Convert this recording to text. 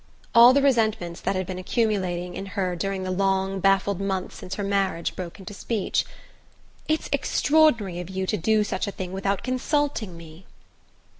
All the resentments that had been accumulating in her during the long baffled months since her marriage broke into speech. "It's extraordinary of you to do such a thing without consulting me!"